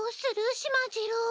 しまじろう。